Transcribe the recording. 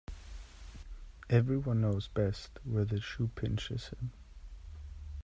Every one knows best where the shoe pinches him.